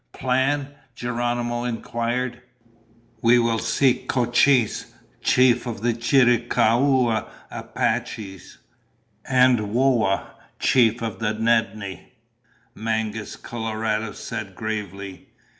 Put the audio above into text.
"Plan?" Geronimo inquired. "We will seek Cochise, chief of the Chiricahua Apaches, and Whoa, chief of the Nedni," Mangus Coloradus said gravely.